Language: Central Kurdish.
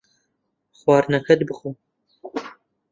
خواردنەکەت بخۆ.